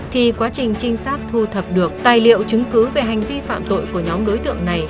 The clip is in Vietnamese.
thì quá trình trinh sát thu thập được tài liệu chứng cứ về hành vi phạm tội của nhóm đối tượng này